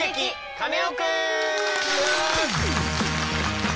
カネオくん」！